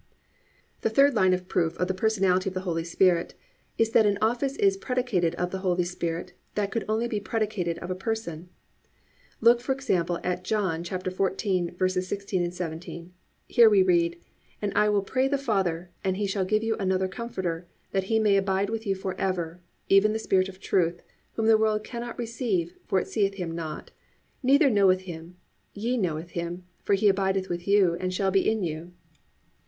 3. The third line of proof of the personality of the Holy Spirit is that an office is predicated of the Holy Spirit that could only be predicated of a person. Look for example at John 14:16, 17. Here we read, +"And I will pray the Father, and He shall give you another Comforter, that He may abide with you forever, even the Spirit of truth: whom the world cannot receive; for it seeth him not. Neither knoweth him: ye know him; for He abideth with you, and shall be in you."